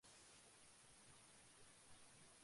তাঁদের কিছুটা সহযোগিতা করা হয়েছে।